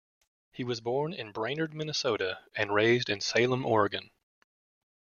He was born in Brainerd, Minnesota and raised in Salem, Oregon.